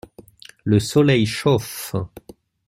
Le soleil chauffe.